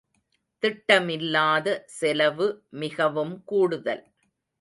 திட்டமிலாத செலவு மிகவும் கூடுதல்.